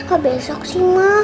oh besok sih ma